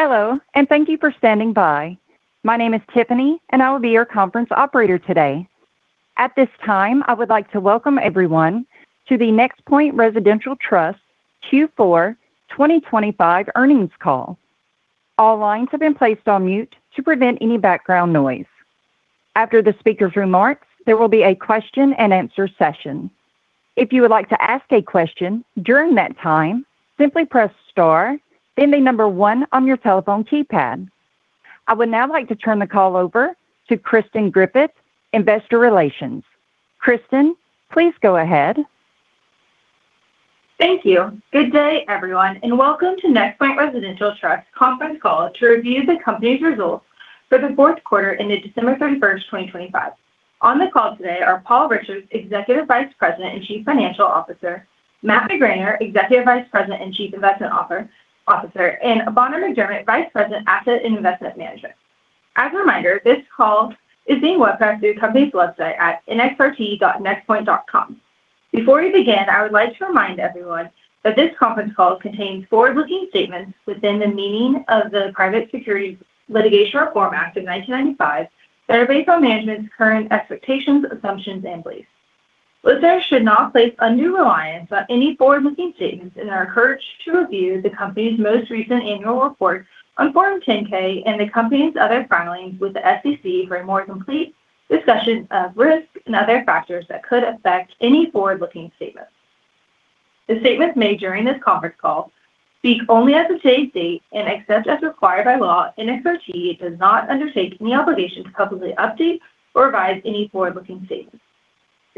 Hello, thank you for standing by. My name is Tiffany, I will be your conference operator today. At this time, I would like to welcome everyone to the NexPoint Residential Trust Q4 2025 Earnings Call. All lines have been placed on mute to prevent any background noise. After the speaker's remarks, there will be a question and answer session. If you would like to ask a question during that time, simply press star, then one on your telephone keypad. I would now like to turn the call over to Kristen Griffith, Investor Relations. Kristen, please go ahead. Thank you. Good day, everyone, welcome to NexPoint Residential Trust conference call to review the company's results for the Q4 ended 12/31/2025. On the call today are Paul Richards, Executive Vice President and Chief Financial Officer; Matt McGraner, Executive Vice President and Chief Investment Officer; Bonner McDermett, Vice President, Asset and Investment Management. As a reminder, this call is being webcast through the company's website at nxrt.nexpoint.com. Before we begin, I would like to remind everyone that this conference call contains forward-looking statements within the meaning of the Private Securities Litigation Reform Act of 1995, that are based on management's current expectations, assumptions, and beliefs. Listeners should not place undue reliance on any forward-looking statements and are encouraged to review the company's most recent annual report on Form 10-K and the company's other filings with the SEC for a more complete discussion of risks and other factors that could affect any forward-looking statements. The statements made during this conference call speak only as of today's date, and except as required by law, NXRT does not undertake any obligation to publicly update or revise any forward-looking statements.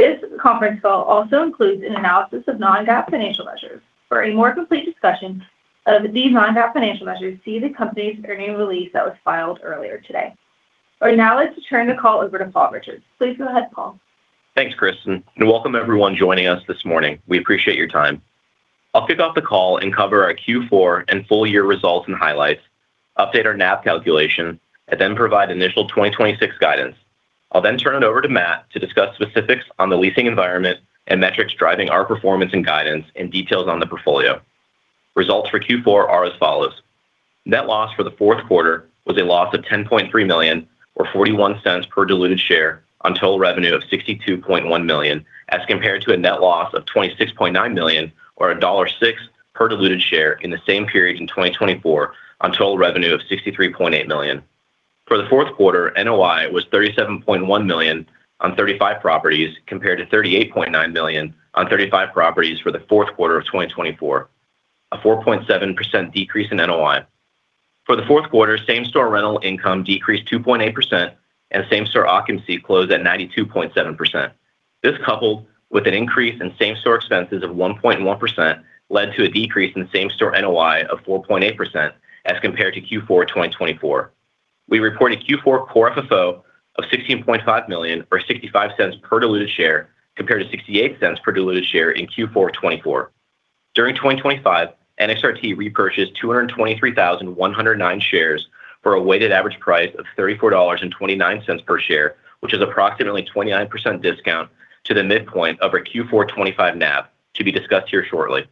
This conference call also includes an analysis of non-GAAP financial measures. For a more complete discussion of these non-GAAP financial measures, see the company's earnings release that was filed earlier today. I would now like to turn the call over to Paul Richards. Please go ahead, Paul. Thanks, Kristen. Welcome everyone joining us this morning. We appreciate your time. I'll kick off the call, cover our Q4 and full year results and highlights, update our NAV calculation, and provide initial 2026 guidance. I'll turn it over to Matt to discuss specifics on the leasing environment and metrics driving our performance and guidance and details on the portfolio. Results for Q4 are as follows: Net loss for the Q4 was a loss of $10.3 million, or $0.41 per diluted share on total revenue of $62.1 million, as compared to a net loss of $26.9 million, or $1.06 per diluted share in the same period in 2024 on total revenue of $63.8 million. For the Q4, NOI was $37.1 million on 35 properties, compared to $38.9 million on 35 properties for the Q4 of 2024, a 4.7% decrease in NOI. For the Q4, same-store rental income decreased 2.8%, and same-store occupancy closed at 92.7%. This, coupled with an increase in same-store expenses of 1.1%, led to a decrease in same-store NOI of 4.8% as compared to Q4 2024. We reported Q4 Core FFO of $16.5 million, or $0.65 per diluted share, compared to $0.68 per diluted share in Q4 2024. During 2025, NXRT repurchased 223,109 shares for a weighted average price of $34.29 per share, which is approximately 29% discount to the midpoint of our Q4 2025 NAV, to be discussed here shortly.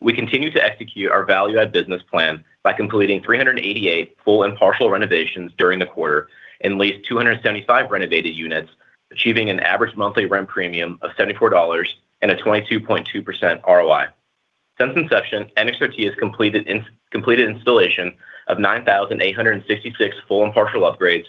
We continue to execute our value-add business plan by completing 388 full and partial renovations during the quarter, and leased 275 renovated units, achieving an average monthly rent premium of $74 and a 22.2% ROI. Since inception, NXRT has completed installation of 9,866 full and partial upgrades,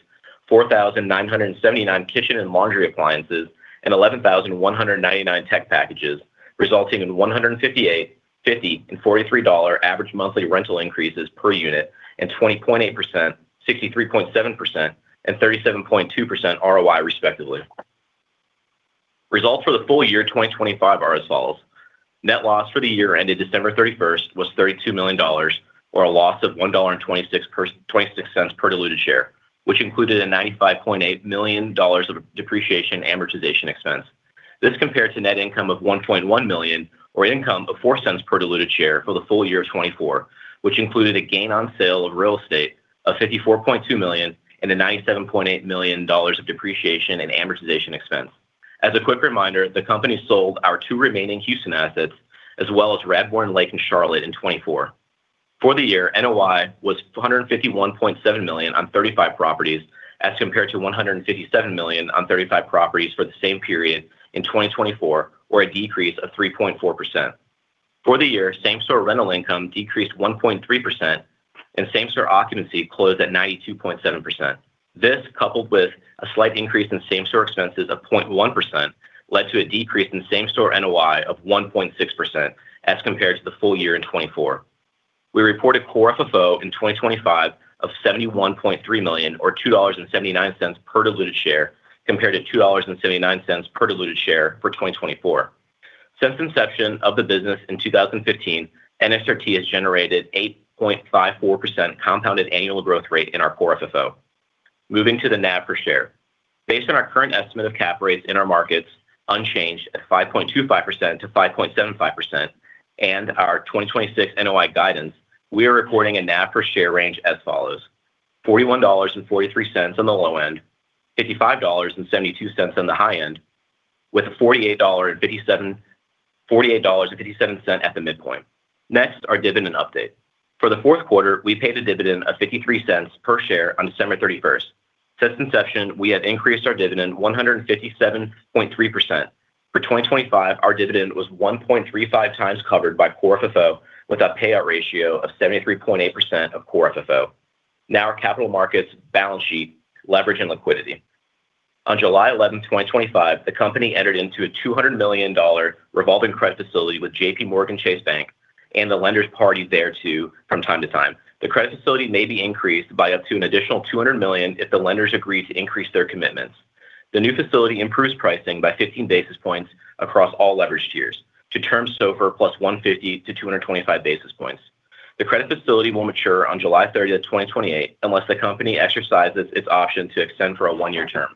4,979 kitchen and laundry appliances, and 11,199 tech packages, resulting in $158, $50, and $43 average monthly rental increases per unit, and 20.8%, 63.7%, and 37.2% ROI, respectively. Results for the full year 2025 are as follows: Net loss for the year ended 31st December was $32 million, or a loss of $1.26 per diluted share, which included a $95.8 million of depreciation and amortization expense. This compared to net income of $1.1 million, or income of $0.04 per diluted share for the full year of 2024, which included a gain on sale of real estate of $54.2 million and $97.8 million of depreciation and amortization expense. As a quick reminder, the company sold our two remaining Houston assets, as well as Radbourne Lake and Charlotte in 2024. For the year, NOI was $151.7 million on 35 properties, as compared to $157 million on 35 properties for the same period in 2024, or a decrease of 3.4%. For the year, same-store rental income decreased 1.3%, and same-store occupancy closed at 92.7%. This, coupled with a slight increase in same-store expenses of 0.1%, led to a decrease in same-store NOI of 1.6% as compared to the full year in 2024. We reported Core FFO in 2025 of $71.3 million or $2.79 per diluted share, compared to $2.79 per diluted share for 2024. Since inception of the business in 2015, NXRT has generated 8.54% compounded annual growth rate in our Core FFO. Moving to the NAV per share. Based on our current estimate of cap rates in our markets, unchanged at 5.25%-5.75%, and our 2026 NOI guidance, we are reporting a NAV per share range as follows: $41.43 on the low end, $55.72 on the high end. With a $48.57 at the midpoint. Our dividend update. For the Q4, we paid a dividend of $0.53 per share on 31st December. Since inception, we have increased our dividend 157.3%. For 2025, our dividend was 1.35x covered by core FFO, with a payout ratio of 73.8% of core FFO. Our capital markets, balance sheet, leverage, and liquidity. On July 11, 2025, the company entered into a $200 million revolving credit facility with JPMorgan Chase Bank and the lenders party thereto from time to time. The credit facility may be increased by up to an additional $200 million if the lenders agree to increase their commitments. The new facility improves pricing by 15 basis points across all leverage tiers to term SOFR+ 150-225 basis points. The credit facility will mature on July 30, 2028, unless the company exercises its option to extend for a one-year term.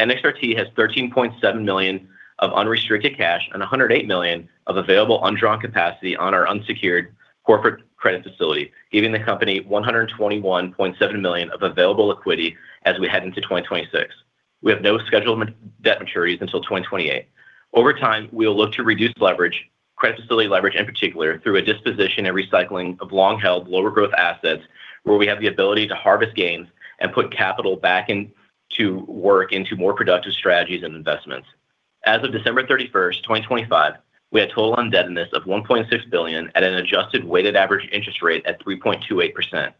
NXRT has $13.7 million of unrestricted cash and $108 million of available undrawn capacity on our unsecured corporate credit facility, giving the company $121.7 million of available liquidity as we head into 2026. We have no scheduled debt maturities until 2028. Over time, we'll look to reduce leverage, credit facility leverage, in particular, through a disposition and recycling of long-held, lower-growth assets, where we have the ability to harvest gains and put capital back in to work into more productive strategies and investments. As of 31st December 2025, we had total indebtedness of $1.6 billion at an adjusted weighted average interest rate at 3.28%.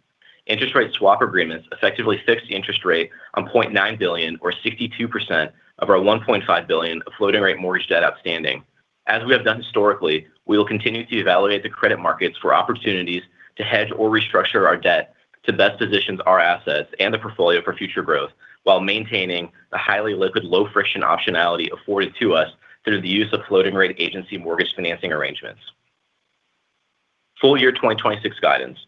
Interest rate swap agreements effectively fixed the interest rate on $0.9 billion or 62% of our $1.5 billion of floating rate mortgage debt outstanding. As we have done historically, we will continue to evaluate the credit markets for opportunities to hedge or restructure our debt to best position our assets and the portfolio for future growth, while maintaining the highly liquid, low-friction optionality afforded to us through the use of floating-rate agency mortgage financing arrangements. Full year 2026 guidance.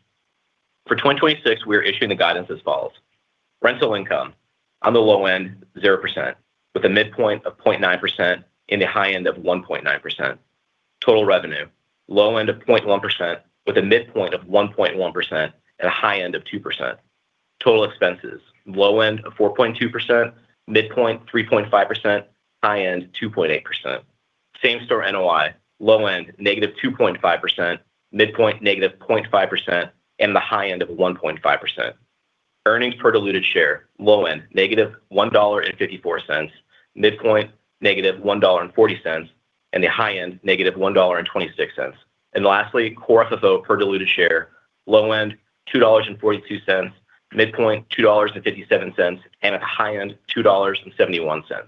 For 2026, we are issuing the guidance as follows: Rental income, on the low end, 0%, with a midpoint of 0.9% and a high end of 1.9%. Total revenue, low end of 0.1%, with a midpoint of 1.1% and a high end of 2%. Total expenses, low end of 4.2%, midpoint 3.5%, high end 2.8%. Same-store NOI, low end -2.5%, midpoint -0.5%, and the high end of 1.5%. Earnings per diluted share, low end -$1.54, midpoint -$1.40, and the high end, -$1.26. Lastly, Core FFO per diluted share, low end $2.42, midpoint $2.57, and at the high end, $2.71.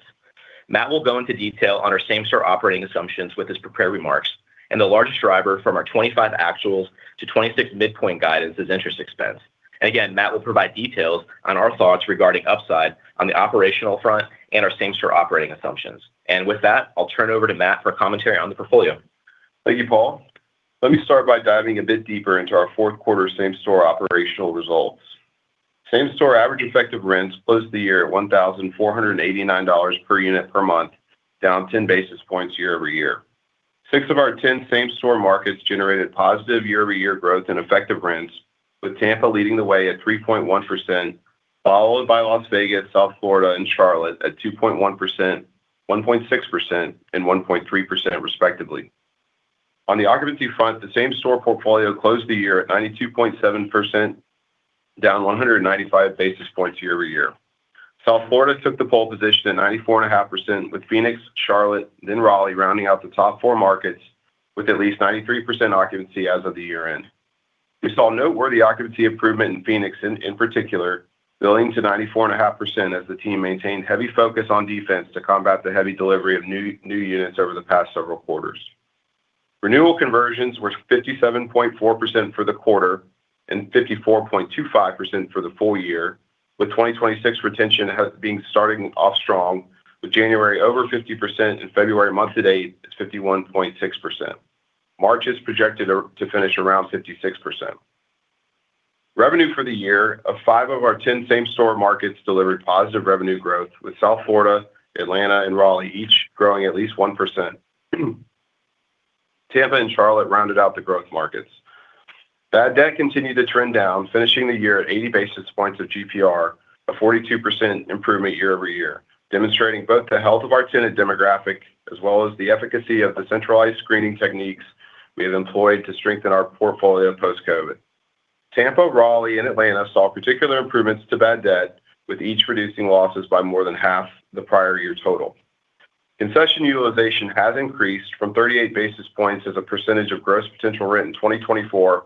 Matt will go into detail on our same-store operating assumptions with his prepared remarks, and the largest driver from our 2025 actuals to 2026 midpoint guidance is interest expense. Again, Matt will provide details on our thoughts regarding upside on the operational front and our same-store operating assumptions. With that, I'll turn it over to Matt for a commentary on the portfolio. Thank you, Paul. Let me start by diving a bit deeper into our Q4 same-store operational results. Same-store average effective rents closed the year at $1,489 per unit per month, down 10 basis points year-over-year. Six of our 10 same-store markets generated positive year-over-year growth in effective rents, with Tampa leading the way at 3.1%, followed by Las Vegas, South Florida, and Charlotte at 2.1%, 1.6%, and 1.3% respectively. On the occupancy front, the same-store portfolio closed the year at 92.7%, down 195 basis points year-over-year. South Florida took the pole position at 94.5%, with Phoenix, Charlotte, then Raleigh rounding out the top four markets with at least 93% occupancy as of the year-end. We saw noteworthy occupancy improvement in Phoenix, in particular, building to 94.5% as the team maintained heavy focus on defense to combat the heavy delivery of new units over the past several quarters. Renewal conversions were 57.4% for the quarter and 54.25% for the full year, with 2026 retention starting off strong, with January over 50% and February month to date is 51.6%. March is projected to finish around 56%. Revenue for the year of five of our 10 same-store markets delivered positive revenue growth, with South Florida, Atlanta, and Raleigh each growing at least 1%. Tampa and Charlotte rounded out the growth markets. Bad debt continued to trend down, finishing the year at 80 basis points of GPR, a 42% improvement year-over-year, demonstrating both the health of our tenant demographic as well as the efficacy of the centralized screening techniques we have employed to strengthen our portfolio post-COVID. Tampa, Raleigh, and Atlanta saw particular improvements to bad debt, with each reducing losses by more than half the prior year total. Concession utilization has increased from 38 basis points as a percentage of gross potential rent in 2024,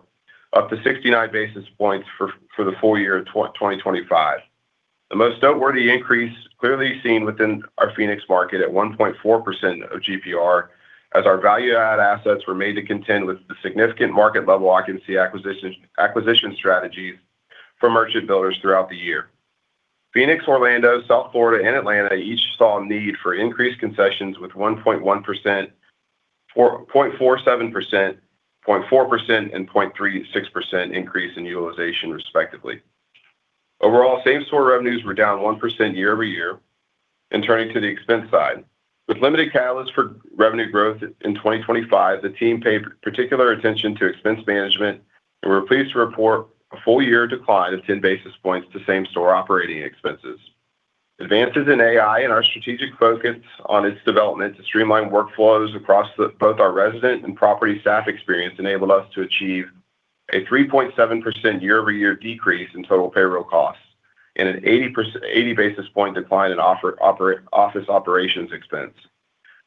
up to 69 basis points for the full year in 2025. The most noteworthy increase clearly seen within our Phoenix market at 1.4% of GPR, as our value-add assets were made to contend with the significant market-level occupancy acquisition strategies for merchant builders throughout the year. Phoenix, Orlando, South Florida, and Atlanta each saw a need for increased concessions, with 1.1%, 0.47%, 0.4%, and 0.36% increase in utilization, respectively. Overall, same-store revenues were down 1% year-over-year. Turning to the expense side, with limited catalysts for revenue growth in 2025, the team paid particular attention to expense management. We're pleased to report a full year decline of 10 basis points to same-store operating expenses. Advances in AI and our strategic focus on its development to streamline workflows across both our resident and property staff experience enabled us to achieve a 3.7% year-over-year decrease in total payroll costs and an 80 basis point decline in office operations expense.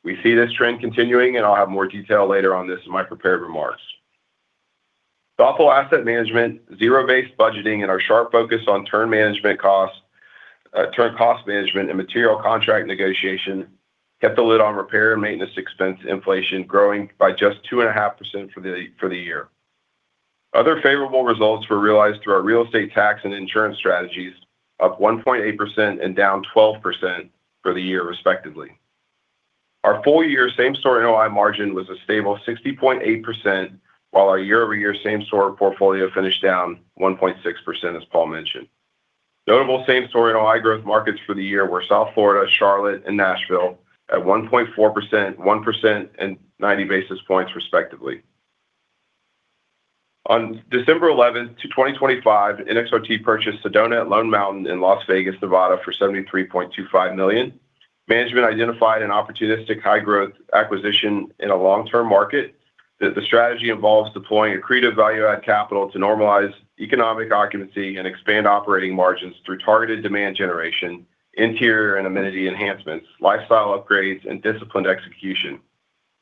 We see this trend continuing, and I'll have more detail later on this in my prepared remarks. Thoughtful asset management, zero-based budgeting, and our sharp focus on term cost management, and material contract negotiation, kept the lid on repair and maintenance expense inflation growing by just 2.5% for the year. Other favorable results were realized through our real estate tax and insurance strategies, up 1.8% and down 12% for the year, respectively. Our full year same-store NOI margin was a stable 60.8%, while our year-over-year same-store portfolio finished down 1.6%, as Paul mentioned. Notable same-store NOI growth markets for the year were South Florida, Charlotte, and Nashville at 1.4%, 1%, and 90 basis points, respectively. On 11th December 2025, NXRT purchased Sedona at Lone Mountain in Las Vegas, Nevada, for $73.25 million. Management identified an opportunistic high-growth acquisition in a long-term market, that the strategy involves deploying accretive value-add capital to normalize economic occupancy and expand operating margins through targeted demand generation, interior and amenity enhancements, lifestyle upgrades, and disciplined execution,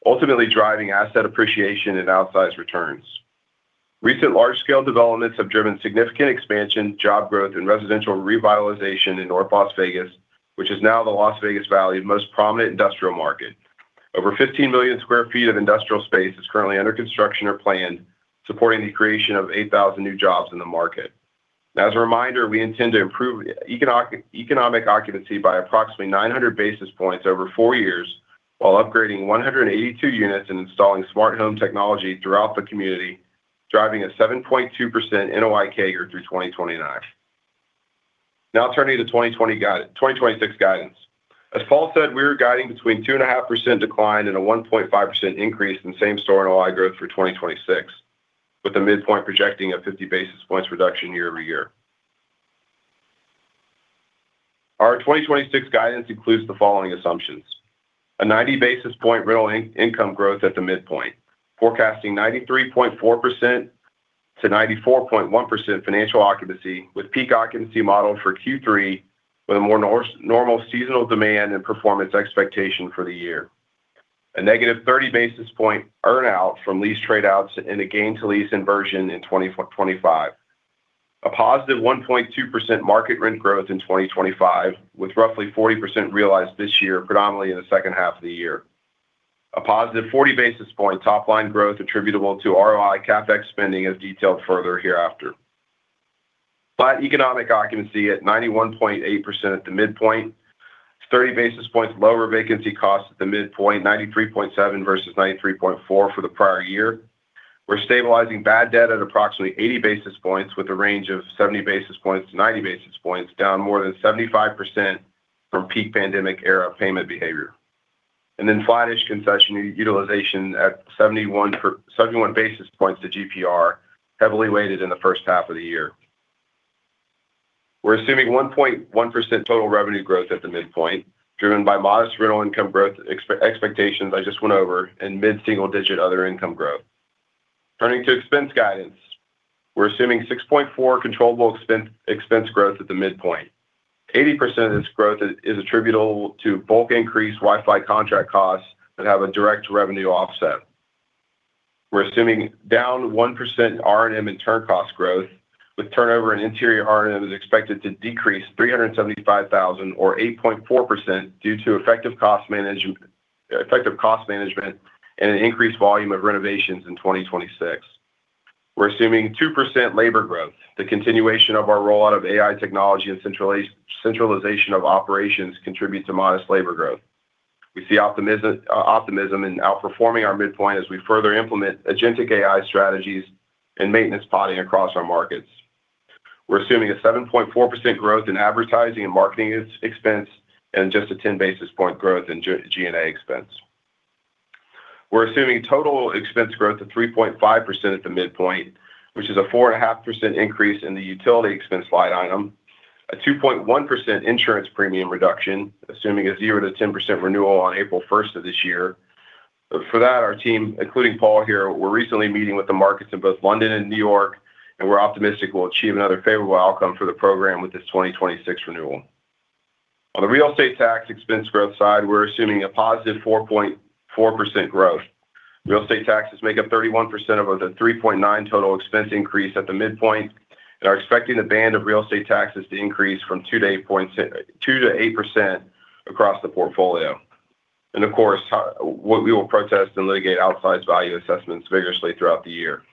ultimately driving asset appreciation and outsized returns. Recent large-scale developments have driven significant expansion, job growth, and residential revitalization in North Las Vegas, which is now the Las Vegas Valley's most prominent industrial market. Over 15 million sq ft of industrial space is currently under construction or planned, supporting the creation of 8,000 new jobs in the market. As a reminder, we intend to improve economic occupancy by approximately 900 basis points over four years while upgrading 182 units and installing smart home technology throughout the community, driving a 7.2% NOI CAGR through 2029. Turning to 2026 guidance. As Paul said, we are guiding between 2.5% decline and a 1.5% increase in same-store NOI growth for 2026, with a midpoint projecting a 50 basis points reduction year over year. Our 2026 guidance includes the following assumptions: A 90 basis point rental income growth at the midpoint, forecasting 93.4%-94.1% financial occupancy, with peak occupancy modeled for Q3, with a more normal seasonal demand and performance expectation for the year. A negative 30 basis point earn-out from lease trade outs and a gain to lease inversion in 2025. A positive 1.2% market rent growth in 2025, with roughly 40% realized this year, predominantly in the second half of the year. A +40 basis point top-line growth attributable to ROI CapEx spending, as detailed further hereafter. Flat economic occupancy at 91.8% at the midpoint, 30 basis points lower vacancy costs at the midpoint, 93.7 versus 93.4 for the prior year. We're stabilizing bad debt at approximately 80 basis points, with a range of 70 basis points, 90 basis points, down more than 75% from peak pandemic-era payment behavior. Flattish concession utilization at 71 basis points to GPR, heavily weighted in the first half of the year. We're assuming 1.1% total revenue growth at the midpoint, driven by modest rental income growth expectations I just went over, and mid-single-digit other income growth. Turning to expense guidance, we're assuming 6.4% controllable expense growth at the midpoint. 80% of this growth is attributable to bulk increased Wi-Fi contract costs that have a direct revenue offset. We're assuming down 1% R&M and turn cost growth, with turnover and interior R&M is expected to decrease $375,000 or 8.4% due to effective cost management and an increased volume of renovations in 2026. We're assuming 2% labor growth. The continuation of our rollout of AI technology and centralization of operations contribute to modest labor growth. We see optimism in outperforming our midpoint as we further implement agentic AI strategies and maintenance potting across our markets. We're assuming a 7.4% growth in advertising and marketing ex-expense, just a 10 basis point growth in G&A expense. We're assuming total expense growth of 3.5% at the midpoint, which is a 4.5% increase in the utility expense line item, a 2.1% insurance premium reduction, assuming a 0%-10% renewal on April 1st of this year. For that, our team, including Paul here, we're recently meeting with the markets in both London and New York, we're optimistic we'll achieve another favorable outcome for the program with this 2026 renewal. On the real estate tax expense growth side, we're assuming a positive 4.4% growth. Real estate taxes make up 31% of the 3.9 total expense increase at the midpoint, and are expecting the band of real estate taxes to increase from 2%-8% across the portfolio. Of course, we will protest and litigate outsized value assessments vigorously throughout the year.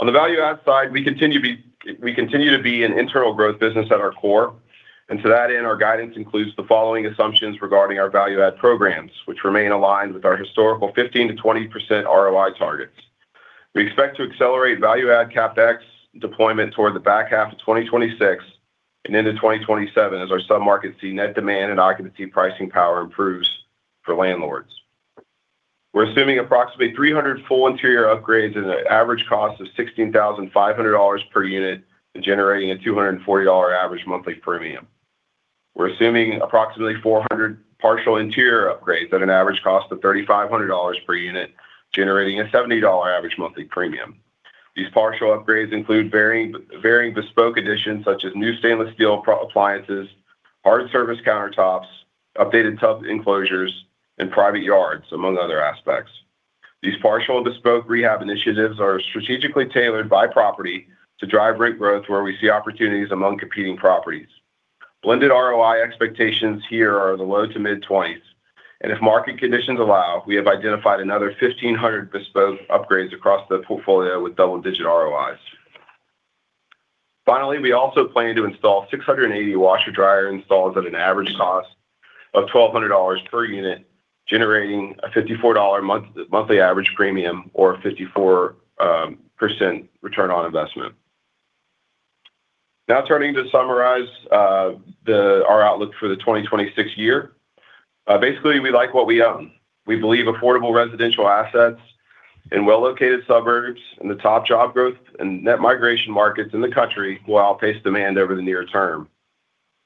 On the value add side, we continue to be an internal growth business at our core, and to that end, our guidance includes the following assumptions regarding our value add programs, which remain aligned with our historical 15%-20% ROI targets. We expect to accelerate value add CapEx deployment toward the back half of 2026. Into 2027, as our submarkets see net demand and occupancy pricing power improves for landlords. We're assuming approximately 300 full interior upgrades at an average cost of $16,500 per unit, generating a $240 average monthly premium. We're assuming approximately 400 partial interior upgrades at an average cost of $3,500 per unit, generating a $70 average monthly premium. These partial upgrades include varying bespoke additions, such as new stainless steel pro appliances, hard service countertops, updated tub enclosures, and private yards, among other aspects. These partial bespoke rehab initiatives are strategically tailored by property to drive rent growth, where we see opportunities among competing properties. Blended ROI expectations here are the low to mid-twenties, and if market conditions allow, we have identified another 1,500 bespoke upgrades across the portfolio with double-digit ROIs. Finally, we also plan to install 680 washer dryer installs at an average cost of $1,200 per unit, generating a $54 monthly average premium or a 54% ROI. Now, turning to summarize our outlook for the 2026 year. Basically, we like what we own. We believe affordable residential assets in well-located suburbs and the top job growth and net migration markets in the country will outpace demand over the near term.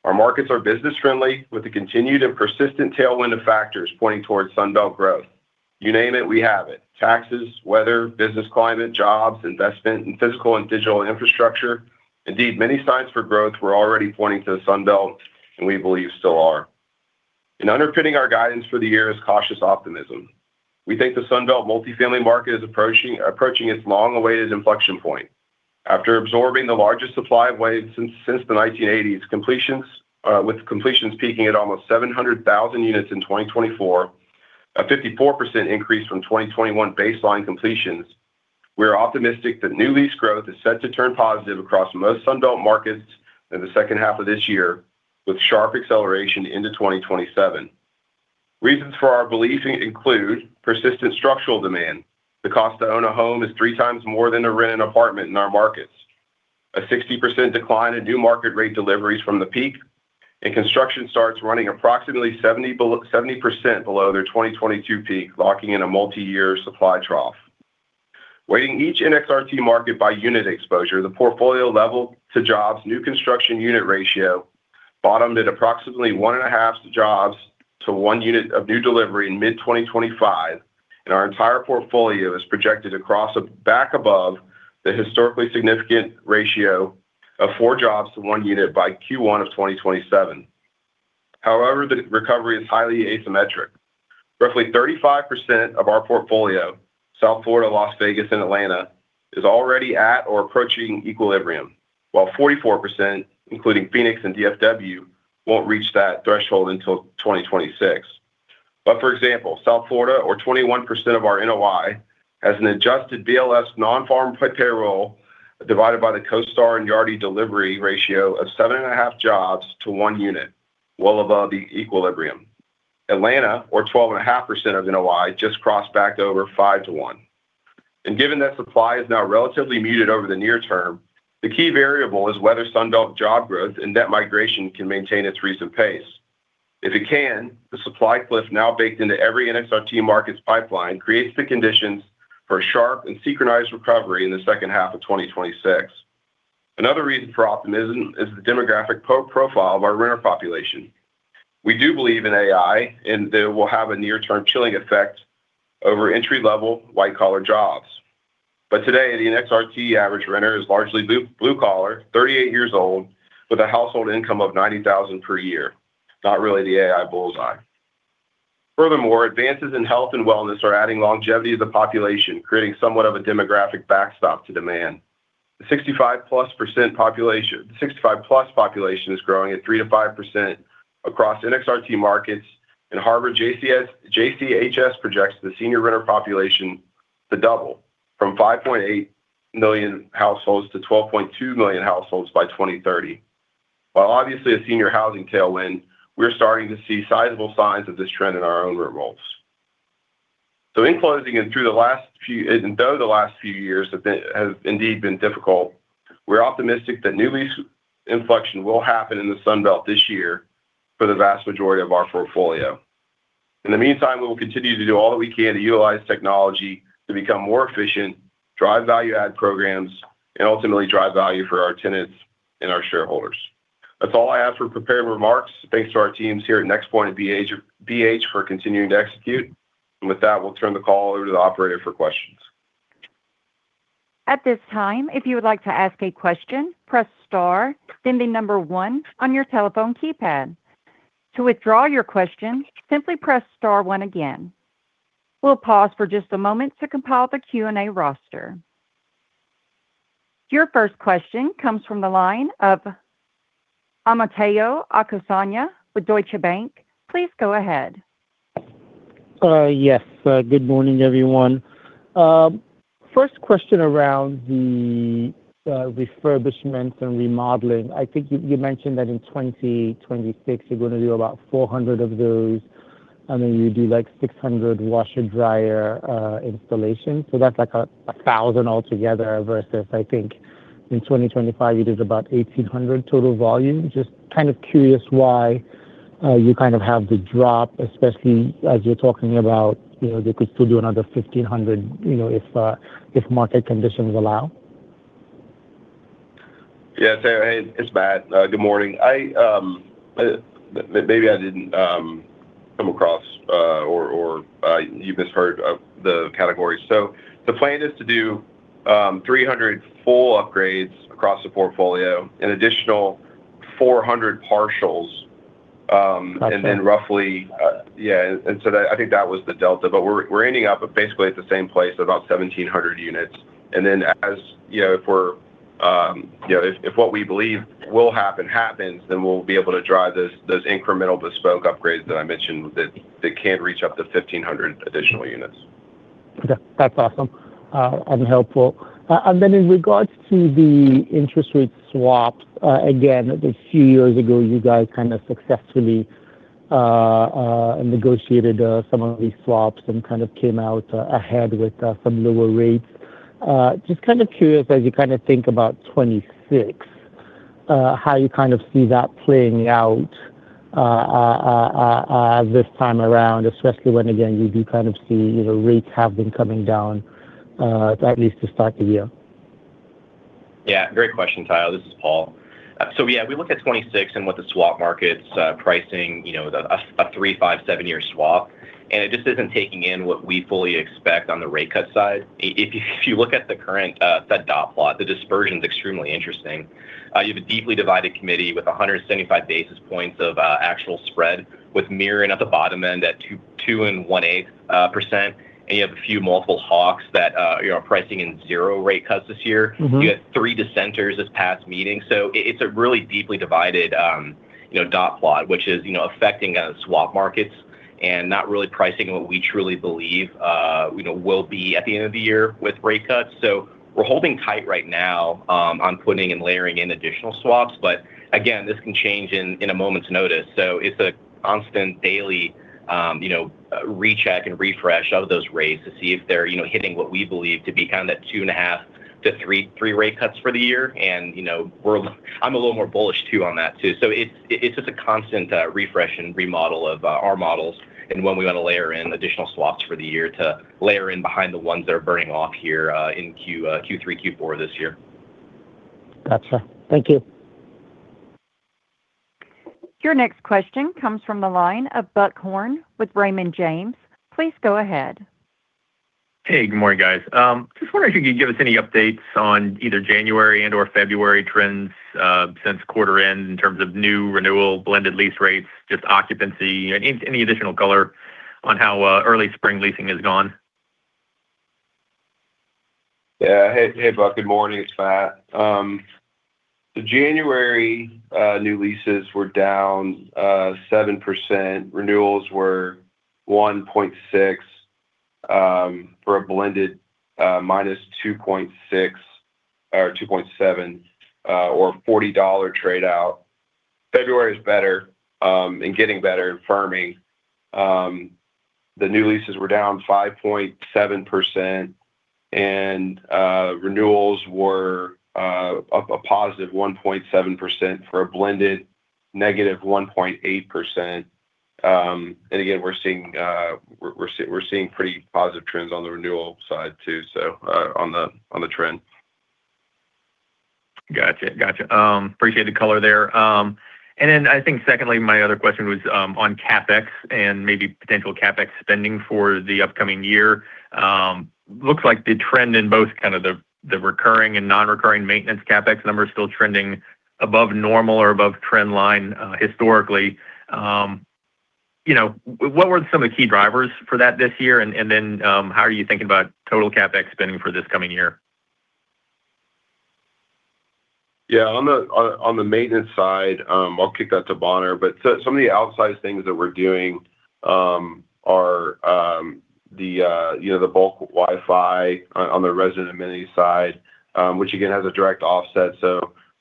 Our markets are business-friendly, with the continued and persistent tailwind of factors pointing towards Sun Belt growth. You name it, we have it: taxes, weather, business climate, jobs, investment, and physical and digital infrastructure. Indeed, many signs for growth were already pointing to the Sun Belt, and we believe still are. Underpinning our guidance for the year is cautious optimism. We think the Sun Belt multifamily market is approaching its long-awaited inflection point. After absorbing the largest supply of waves since the 1980s, with completions peaking at almost 700,000 units in 2024, a 54% increase from 2021 baseline completions, we are optimistic that new lease growth is set to turn positive across most Sun Belt markets in the second half of this year, with sharp acceleration into 2027. Reasons for our belief include persistent structural demand. The cost to own a home is 3x more than to rent an apartment in our markets. A 60% decline in new market rate deliveries from the peak, and construction starts running approximately 70% below their 2022 peak, locking in a multi-year supply trough. Weighing each NXRT market by unit exposure, the portfolio level to jobs, new construction unit ratio bottomed at approximately one and half jobs to one unit of new delivery in mid-2025, and our entire portfolio is projected back above the historically significant ratio of four jobs to one unit by Q1 of 2027. The recovery is highly asymmetric. Roughly 35% of our portfolio, South Florida, Las Vegas, and Atlanta, is already at or approaching equilibrium, while 44%, including Phoenix and DFW, won't reach that threshold until 2026. For example, South Florida, or 21% of our NOI, has an adjusted BLS non-farm payroll, divided by the CoStar and Yardi delivery ratio of 7.5 jobs to 1 unit, well above the equilibrium. Atlanta, or 12.5% of NOI, just crossed back over five to one. Given that supply is now relatively muted over the near term, the key variable is whether Sun Belt job growth and net migration can maintain its recent pace. If it can, the supply cliff now baked into every NXRT markets pipeline creates the conditions for a sharp and synchronized recovery in the second half of 2026. Another reason for optimism is the demographic pro-profile of our renter population. We do believe in AI, that it will have a near-term chilling effect over entry-level, white-collar jobs. Today, the NXRT average renter is largely blue collar, 38 years old, with a household income of $90,000 per year. Not really the AI bullseye. Furthermore, advances in health and wellness are adding longevity to the population, creating somewhat of a demographic backstop to demand. The 65+ population is growing at 3%-5% across NXRT markets. Harvard JCHS projects the senior renter population to double from 5.8 million households to 12.2 million households by 2030. While obviously a senior housing tailwind, we're starting to see sizable signs of this trend in our own rent rolls. In closing, though the last few years have indeed been difficult, we're optimistic that new lease inflection will happen in the Sun Belt this year for the vast majority of our portfolio. In the meantime, we will continue to do all that we can to utilize technology to become more efficient, drive value-add programs, and ultimately drive value for our tenants and our shareholders. That's all I have for prepared remarks. Thanks to our teams here at NexPoint and BH for continuing to execute. With that, we'll turn the call over to the operator for questions. At this time, if you would like to ask a question, press star, then the one on your telephone keypad. To withdraw your question, simply press star one again. We'll pause for just a moment to compile the Q&A roster. Your first question comes from the line of Conor Peaks with Deutsche Bank. Please go ahead. Yes. Good morning, everyone. First question around the refurbishment and remodeling. I think you mentioned that in 2026, you're going to do about 400 of those. Then you do, like, 600 washer dryer installation. That's like 1,000 altogether, versus I think in 2025 you did about 1,800 total volume. Just kind of curious why you kind of have the drop, especially as you're talking about, you know, they could still do another 1,500, you know, if market conditions allow. Yeah. Hey, it's Matt. Good morning. I maybe I didn't come across or you misheard the categories. The plan is to do 300 full upgrades across the portfolio, an additional 400 partials. Gotcha. Roughly, I think that was the delta. We're ending up basically at the same place, about 1,700 units. As, you know, if we're, you know, if what we believe will happen happens, then we'll be able to drive those incremental bespoke upgrades that I mentioned, that can reach up to 1,500 additional units. Yeah. That's awesome and helpful. In regards to the interest rate swaps, again, a few years ago, you guys kind of successfully negotiated some of these swaps and kind of came out ahead with some lower rates. Just kind of curious, as you kind of think about 2026, how you kind of see that playing out this time around, especially when again, you do kind of see, you know, rates have been coming down at least to start the year. Yeah, great question, Conor. This is Paul. We look at 26 and what the swap market's pricing, you know, the a three, five, seven-year swap, and it just isn't taking in what we fully expect on the rate cut side. If you look at the current Fed dot plot, the dispersion is extremely interesting. You have a deeply divided committee with 175 basis points of actual spread, with mirroring at the bottom end at 2% and 1/8%. You have a few multiple hawks that, you know, are pricing in zero rate cuts this year. Mm-hmm. You had three dissenters this past meeting. It's a really deeply divided, you know, Fed dot plot, which is, you know, affecting swap markets and not really pricing what we truly believe, you know, will be at the end of the year with rate cuts. We're holding tight right now on putting and layering in additional swaps. Again, this can change in a moment's notice. It's a constant daily, you know, recheck and refresh of those rates to see if they're, you know, hitting what we believe to be kind of that 2.5%-3% rate cuts for the year, and, you know, I'm a little more bullish too on that too. It's just a constant refresh and remodel of our models and when we want to layer in additional swaps for the year to layer in behind the ones that are burning off here in Q3, Q4 this year. Gotcha. Thank you. Your next question comes from the line of Buck Horne with Raymond James. Please go ahead. Hey, good morning, guys. just wondering if you could give us any updates on either January and/or February trends, since quarter end, in terms of new renewal, blended lease rates, just occupancy. Any additional color on how early spring leasing has gone? Yeah. Hey, hey, Buck. Good morning. It's Matt. The January new leases were down 7%. Renewals were 1.6%, for a blended -2.6% or 2.7%, or $40 trade out. February is better and getting better and firming. The new leases were down 5.7%, and renewals were a positive 1.7% for a blended negative 1.8%. Again, we're seeing pretty positive trends on the renewal side too, so on the trend. Gotcha. Gotcha. Appreciate the color there. I think secondly, my other question was on CapEx and maybe potential CapEx spending for the upcoming year. Looks like the trend in both kind of the recurring and non-recurring maintenance CapEx numbers are still trending above normal or above trendline historically. You know, what were some of the key drivers for that this year? How are you thinking about total CapEx spending for this coming year? Yeah. On the maintenance side, I'll kick that to Bonner. Some of the outsized things that we're doing are the bulk Wi-Fi on the resident amenity side, which again, has a direct offset.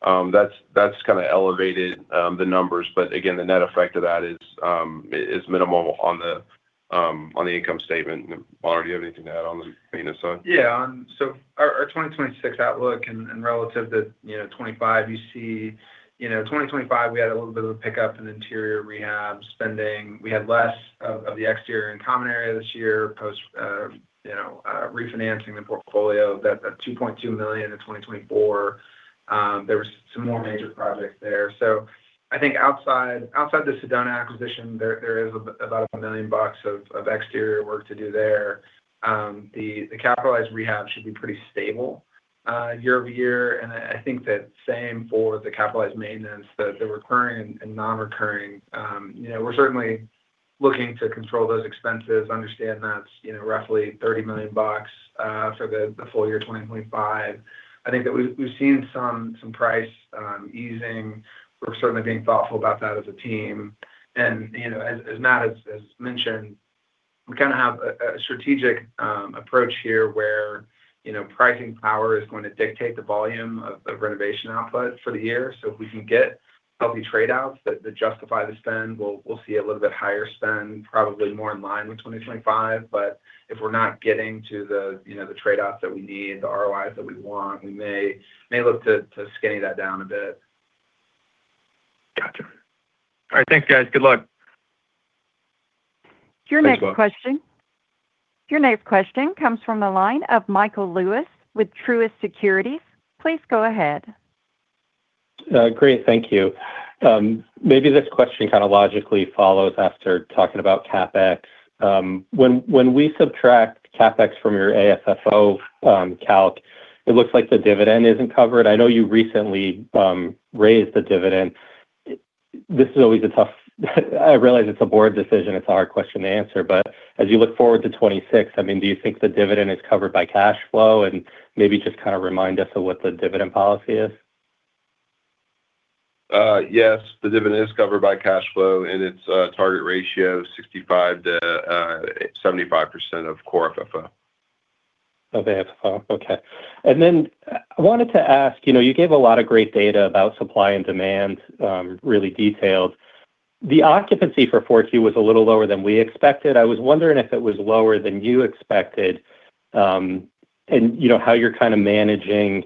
That's kind of elevated the numbers. Again, the net effect of that is minimal on the income statement. Bonner, do you have anything to add on the maintenance side? Yeah. Our 2026 outlook and relative to, you know, 2025, you know, 2025, we had a little bit of a pickup in interior rehab spending. We had less of the exterior and common area this year, post, you know, refinancing the portfolio, that $2.2 million in 2024. There were some more major projects there. I think outside the Sedona acquisition, there is about $1 million of exterior work to do there. The capitalized rehab should be pretty stable year-over-year. I think the same for the capitalized maintenance, the recurring and non-recurring. You know, we're certainly looking to control those expenses. Understand that's, you know, roughly $30 million for the full year 2025. I think that we've seen some price easing. We're certainly being thoughtful about that as a team. You know, as Matt has mentioned.... We kind of have a strategic approach here where, you know, pricing power is going to dictate the volume of renovation output for the year. If we can get healthy trade-outs that justify the spend, we'll see a little bit higher spend, probably more in line with 2025. If we're not getting to the, you know, the trade-offs that we need, the ROI that we want, we may look to skinny that down a bit. Gotcha. All right, thanks, guys. Good luck. Your next question? Thanks, Will. Your next question comes from the line of Michael Lewis with Truist Securities. Please go ahead. Great. Thank you. Maybe this question kind of logically follows after talking about CapEx. When we subtract CapEx from your AFFO calc, it looks like the dividend isn't covered. I know you recently raised the dividend. This is always a tough. I realize it's a board decision, it's a hard question to answer, but as you look forward to 2026, I mean, do you think the dividend is covered by cash flow? Maybe just kind of remind us of what the dividend policy is. Yes, the dividend is covered by cash flow, and its target ratio is 65%-75% of core AFFO. Of AFFO. Okay. I wanted to ask, you know, you gave a lot of great data about supply and demand, really detailed. The occupancy for 4Q was a little lower than we expected. I was wondering if it was lower than you expected, and you know, how you're kind of managing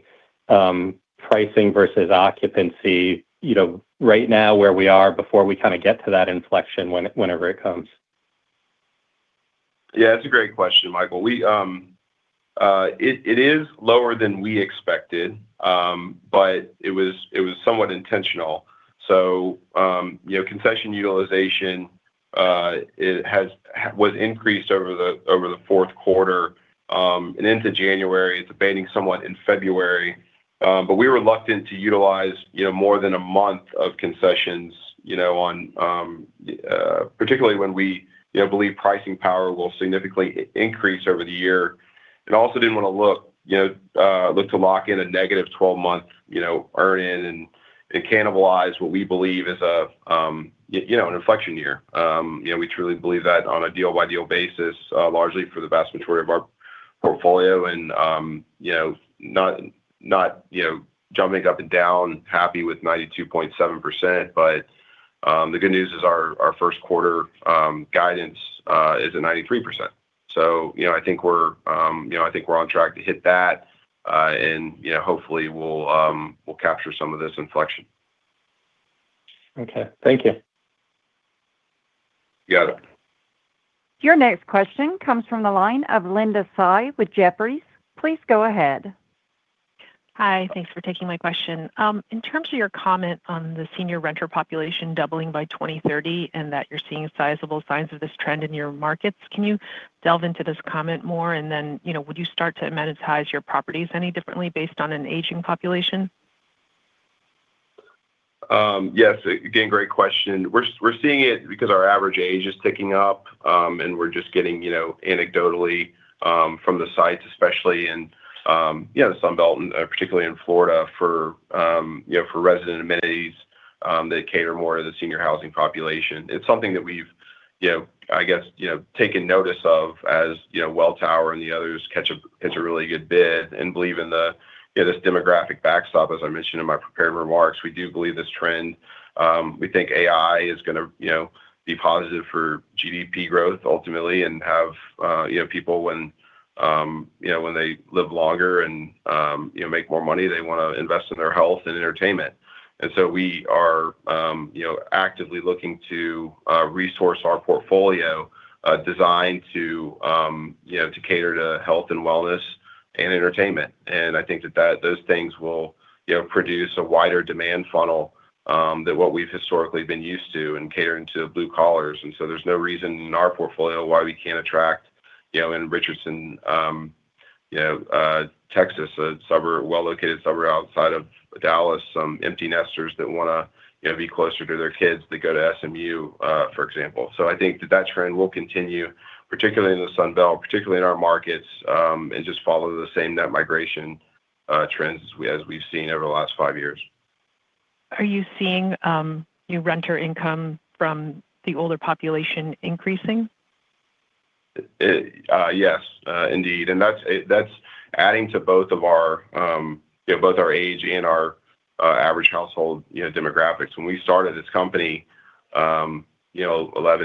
pricing versus occupancy, you know, right now where we are before we kind of get to that inflection whenever it comes? Yeah, that's a great question, Michael. It is lower than we expected, but it was somewhat intentional. You know, concession utilization, it has was increased over the, overQ4 and into January. It's abating somewhat in February. We were reluctant to utilize, you know, more than a month of concessions, you know, on, particularly when we, you know, believe pricing power will significantly increase over the year. Also didn't wanna look, you know, look to lock in a negative 12-month, you know, earn in and cannibalize what we believe is a, you know, an inflection year. you know, we truly believe that on a deal by deal basis, largely for the vast majority of our portfolio and, you know, not, you know, jumping up and down, happy with 92.7%. The good news is our Q1, guidance, is at 93%. you know, I think we're, you know, I think we're on track to hit that, and, you know, hopefully, we'll capture some of this inflection. Okay, thank you. You got it. Your next question comes from the line of Linda Tsai with Jefferies. Please go ahead. Hi, thanks for taking my question. In terms of your comment on the senior renter population doubling by 2030, and that you're seeing sizable signs of this trend in your markets, can you delve into this comment more? Then, you know, would you start to amenitize your properties any differently based on an aging population? Yes. Again, great question. We're seeing it because our average age is ticking up, and we're just getting, you know, anecdotally, from the sites, especially in, yeah, the Sun Belt and particularly in Florida for, you know, for resident amenities, that cater more to the senior housing population. It's something that we've, you know, I guess, you know, taken notice of as, you know, Welltower and the others catch a really good bid and believe in the, you know, this demographic backstop, as I mentioned in my prepared remarks. We do believe this trend. We think AI is gonna, you know, be positive for GDP growth ultimately, and have, you know, people when, you know, when they live longer and, you know, make more money, they wanna invest in their health and entertainment. We are, you know, actively looking to resource our portfolio, designed to, you know, to cater to health and wellness and entertainment. I think that those things will, you know, produce a wider demand funnel than what we've historically been used to in catering to blue collars. There's no reason in our portfolio why we can't attract, you know, in Richardson, you know, Texas, a suburb, well-located suburb outside of Dallas, some empty nesters that wanna, you know, be closer to their kids that go to SMU, for example. I think that that trend will continue, particularly in the Sun Belt, particularly in our markets, and just follow the same net migration trends as we, as we've seen over the last five years. Are you seeing new renter income from the older population increasing? Yes, indeed. That's adding to both of our age and our average household demographics. When we started this company, 11,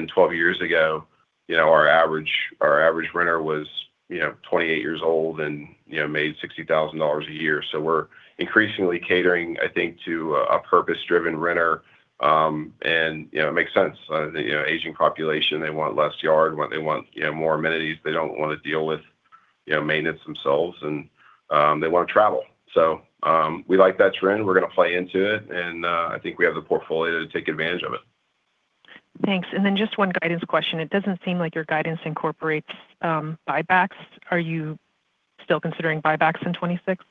12 years ago, our average renter was 28 years old and made $60,000 a year. We're increasingly catering, I think, to a purpose-driven renter. It makes sense. The aging population, they want less yard, they want more amenities. They don't wanna deal with maintenance themselves, and they wanna travel. We like that trend. We're gonna play into it, and I think we have the portfolio to take advantage of it. Thanks. Just one guidance question. It doesn't seem like your guidance incorporates buybacks. Are you still considering buybacks in 26?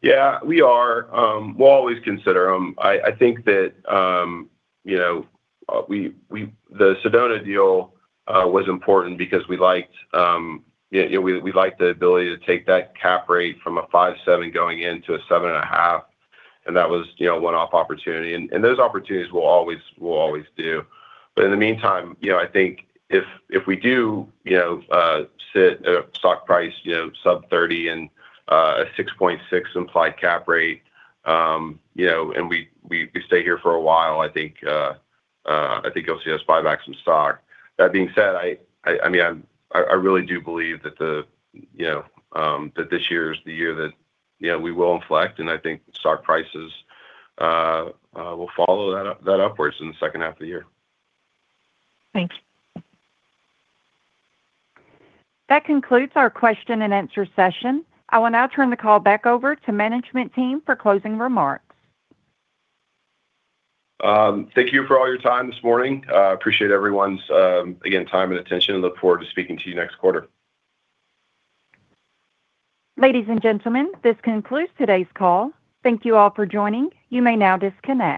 Yeah, we are. We'll always consider them. I think that, you know, we liked the ability to take that cap rate from a 5.7% going in to a 7.5%, and that was, you know, one-off opportunity. Those opportunities we'll always do. In the meantime, you know, I think if we do, you know, sit at a stock price, you know, sub-30 and a 6.6% implied cap rate, you know, and we stay here for a while, I think I think you'll see us buy back some stock. That being said, I mean, I really do believe that the, you know, that this year is the year that, you know, we will inflect, and I think stock prices will follow that upwards in the second half of the year. Thank you. That concludes our question and answer session. I will now turn the call back over to management team for closing remarks. Thank you for all your time this morning. Appreciate everyone's, again, time and attention, and look forward to speaking to you next quarter. Ladies and gentlemen, this concludes today's call. Thank you all for joining. You may now disconnect.